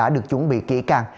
được chuẩn bị kỹ càng